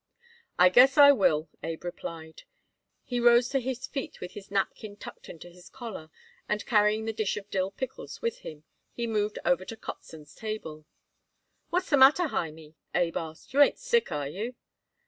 "I guess I will," Abe replied. He rose to his feet with his napkin tucked into his collar and, carrying the dish of dill pickles with him, he moved over to Kotzen's table. "What's the matter, Hymie?" Abe asked. "You ain't sick, are you?"